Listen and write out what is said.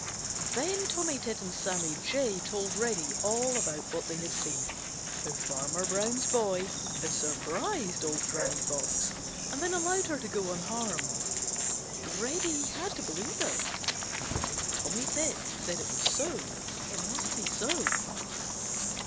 Then Tommy Tit and Sammy Jay told Reddy all about what they had seen, how Farmer Brown's boy had surprised Old Granny Fox and then allowed her to go unharmed. Reddy had to believe it. If Tommy Tit said it was so, it must be so.